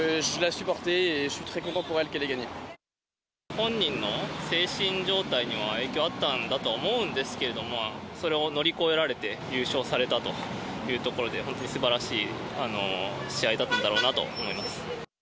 本人の精神状態にも影響あったんだとは思うんですけれども、それを乗り越えられて優勝されたというところで、本当にすばらしい試合だったんだろうなと思います。